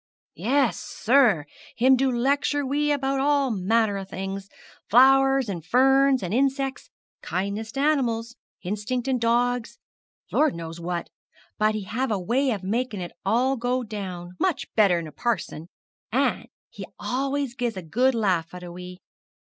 'Yes, sir; him do lecture we about all manner o' things flowers, and ferns, and insects kindness to hanimals hinstinct in dogs Lord knows what; but he have a way of makin' it all go down much better nor parson; and ha allus gets a good laugh out o' we.